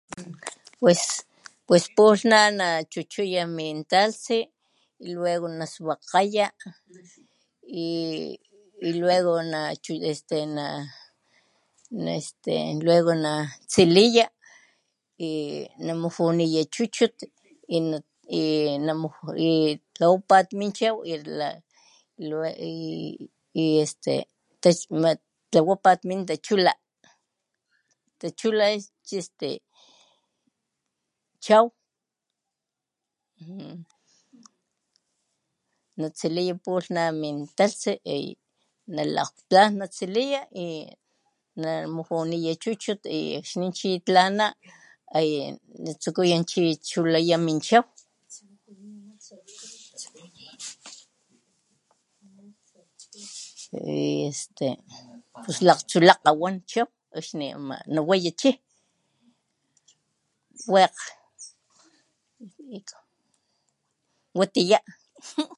Pues pulh na nachuchuya min talhtsi y luego naswakgaya y y luego nachu este na na este luego natsiliya y namujuniya chuchut y namuju y tlawapat min chow la y luego y este tas mat tlawapa min tachula, tachula es este chow natsiliya pulh na min talhtsi y na lak tlan natsiliya y namujuniya chuchut y akxni chi tlana iyu tsukuya chi chulaya min chaw y este lakgtsolakge wan chow akxni na waya chi wekg. Watiya.